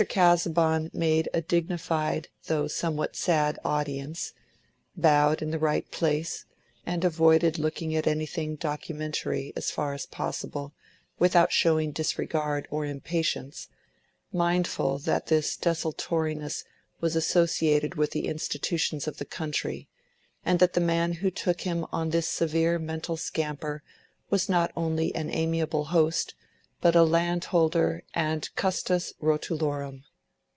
Casaubon made a dignified though somewhat sad audience; bowed in the right place, and avoided looking at anything documentary as far as possible, without showing disregard or impatience; mindful that this desultoriness was associated with the institutions of the country, and that the man who took him on this severe mental scamper was not only an amiable host, but a landholder and custos rotulorum.